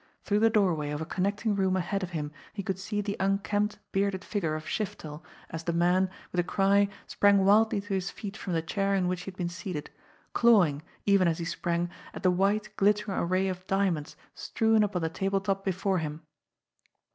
Through the doorway of a connecting room ahead of him he could see the unkempt, bearded figure of Shiftel as ONE ISAAC SHIFTEL 37 the man, with a cry, sprang wildly to his feet from the chair in which he had been seated, clawing, even as he sprang, at the white, glittering array of diamonds strewn upon the table top before him.